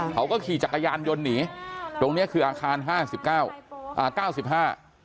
เขาก็ขี่จักรยานยนต์หนีตรงเนี้ยคืออาคารห้าสิบเก้าอ่าเก้าสิบห้า